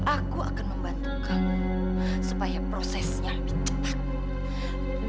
aku akan membantu kamu supaya prosesnya lebih cepat